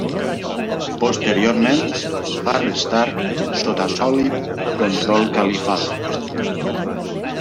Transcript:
Posteriorment va restar sota sòlid control califal.